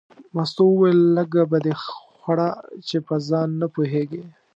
مستو وویل لږه به دې خوړه چې په ځان نه پوهېږې.